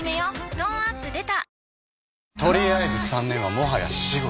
トーンアップ出た・